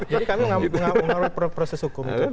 jadi kami menghormati proses hukum itu